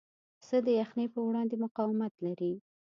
پسه د یخنۍ پر وړاندې مقاومت لري.